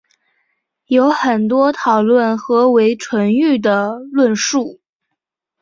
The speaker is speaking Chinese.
有很多讨论何为纯育的论述。